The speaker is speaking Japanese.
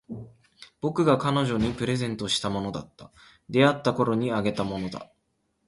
僕が彼女にプレゼントしたものだった。出会ったころにあげたものだ。